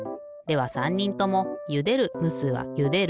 では３にんともゆでるむすはゆでると。